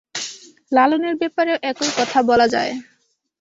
লালনের ব্যাপারেও একই কথা বলা যায়।